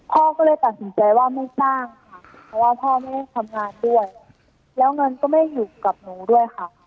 พ่อก็เลยตัดสินใจว่าไม่จ้างค่ะเพราะว่าพ่อไม่ได้ทำงานด้วยแล้วเงินก็ไม่อยู่กับหนูด้วยค่ะ